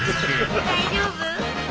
大丈夫？